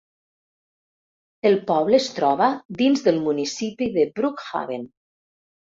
El poble es troba dins del municipi de Brookhaven.